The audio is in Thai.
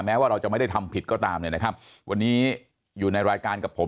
ว่าเราจะไม่ได้ทำผิดก็ตามเนี่ยนะครับวันนี้อยู่ในรายการกับผม